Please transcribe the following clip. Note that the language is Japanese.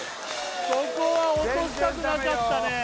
ここは落としたくなかったね